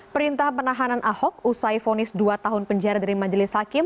perintah penahanan ahok usai fonis dua tahun penjara dari majelis hakim